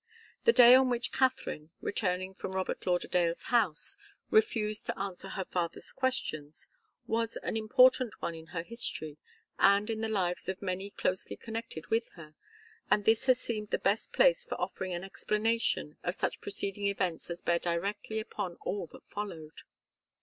The day on which Katharine, returning from Robert Lauderdale's house, refused to answer her father's questions was an important one in her history and in the lives of many closely connected with her; and this has seemed the best place for offering an explanation of such preceding events as bear directly upon all that followed.